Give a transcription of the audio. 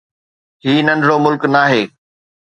هي ننڍڙو ملڪ ناهي.